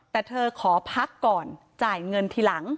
แต่เธอขอพักก่อนจ่ายเงินทีหลัง